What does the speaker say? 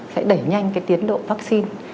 sẽ đẩy nhanh cái tiến độ vaccine